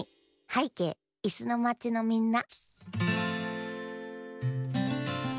「はいけいいすのまちのみんな」